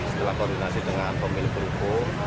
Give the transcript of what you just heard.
setelah koordinasi dengan pemilik perhubungan